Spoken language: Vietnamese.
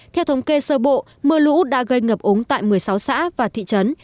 theo thống kê sơ bộ mưa lũ đã gây ngập úng tại một mươi sáu xã và thị trấn